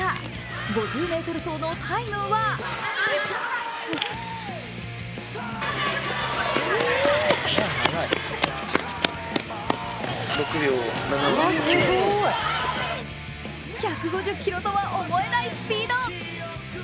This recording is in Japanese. ５０ｍ走のタイムは１５０ｋｇとは思えないスピード。